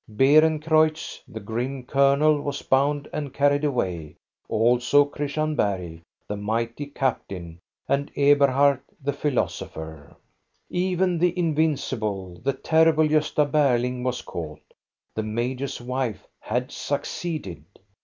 Beerencreutz, the grim colonel, was bound and carried away; also Christian Bergh, the mighty captain, and Eberhard, the philosopher. Even the invincible, the terrible Gosta Berlmg was caught. The major's wife had succeeded.